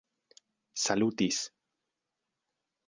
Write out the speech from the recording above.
salutis